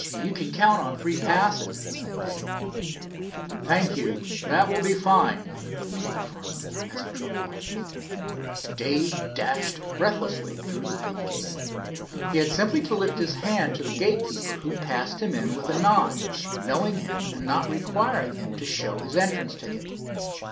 "You can count on free passes," said Dave. "Thank you, that will be fine," nodded the delighted farmer as he drove off. Dave dashed breathlessly through the big gateway. He had simply to lift his hand to the gatekeeper, who passed him in with a nod, knowing him and not requiring him to show his entrance ticket.